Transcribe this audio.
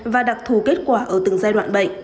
và đặc thù kết quả ở từng giai đoạn bệnh